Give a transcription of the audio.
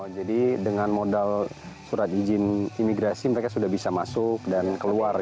jadi dengan modal surat izin imigrasi mereka sudah bisa masuk dan keluar